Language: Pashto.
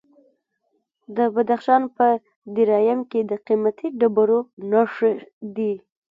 د بدخشان په درایم کې د قیمتي ډبرو نښې دي.